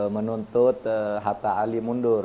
menuntut hatta ali mundur